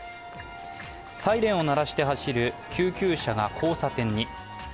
サイレンを鳴らして走る救急車が交差点に。